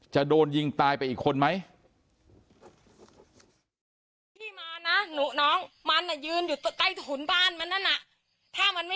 จะโดนยิงตายไปอีกคนไหม